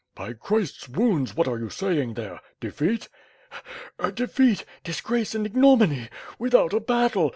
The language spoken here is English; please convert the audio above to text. "By Christ^s wounds, what are you saying there? Defeat?" "A defeat, disgrace and ignoxoiny! Without a battle. ..